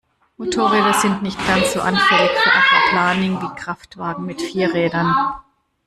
Motorräder sind nicht ganz so anfällig für Aquaplaning wie Kraftwagen mit vier Rädern.